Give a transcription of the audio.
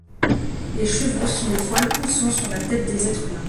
Les cheveux sont les poils poussant sur la tête des êtres humains.